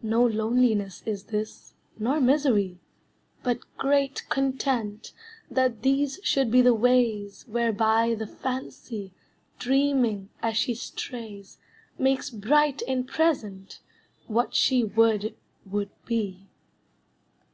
No loneliness is this, nor misery, But great content that these should be the ways Whereby the Fancy, dreaming as she strays, Makes bright and present what she would would be.